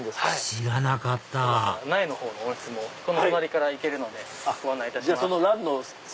知らなかった苗のほうの温室も隣から行けるのでご案内します。